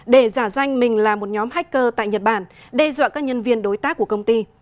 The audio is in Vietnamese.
để giả danh mình là một nhóm hacker tại nhật bản đe dọa các nhân viên đối tác của công ty